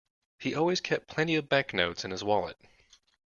He always kept plenty of banknotes in his wallet